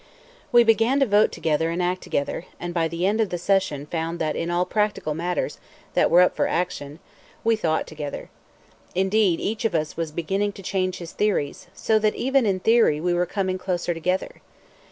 We began to vote together and act together, and by the end of the session found that in all practical matters that were up for action we thought together. Indeed, each of us was beginning to change his theories, so that even in theory we were coming closer together.